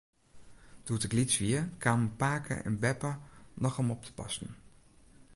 Doe't ik lyts wie, kamen pake en beppe noch om op te passen.